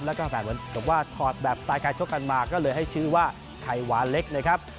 แล้วก็แสดงว่าถอดแบบสายกายชกกันมาก็เลยให้ชื่อว่าไข่หวานเล็กนะครับ